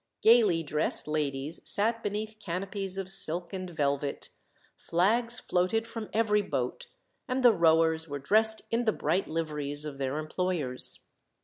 Gaily dressed ladies sat beneath canopies of silk and velvet; flags floated from every boat, and the rowers were dressed in the bright liveries of their employers.